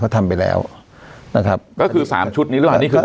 ทำไปแล้วนะครับก็คือสามชุดนี้หรือเปล่านี่คือ